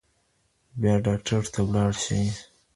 بیا ډاکټر ته ولاړ شئ.